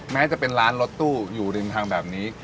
แม้จะเป็นร้านรถตู้อยู่ริมทางแบบนี้